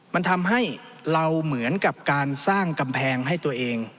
มันทำให้เราเหมือนกับการสร้างกำแพงให้ตัวเอง